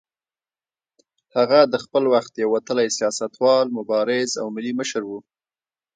هغه د خپل وخت یو وتلی سیاستوال، مبارز او ملي مشر و.